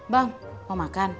bang mau makan